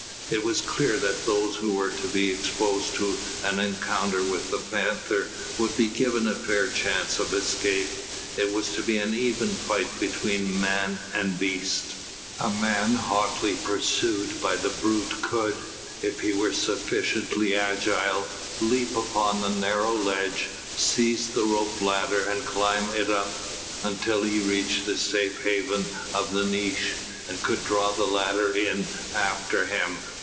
It was clear that those who were to be exposed to an encounter with the panther would be given a fair chance of escape. It was to be an even fight between man and beast. A man hotly pursued by the brute could if he were sufficiently agile leap upon the narrow ledge, seize the rope ladder and climb up it until he reached the safe haven of the niche, and could draw the ladder in after him.